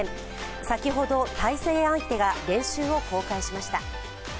先ほど対戦相手が練習を公開しました。